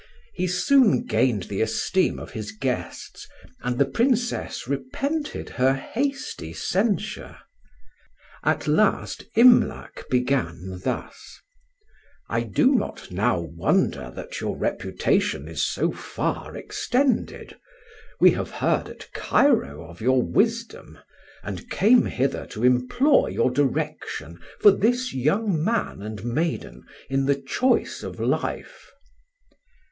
He soon gained the esteem of his guests, and the Princess repented her hasty censure. At last Imlac began thus: "I do not now wonder that your reputation is so far extended: we have heard at Cairo of your wisdom, and came hither to implore your direction for this young man and maiden in the choice of life."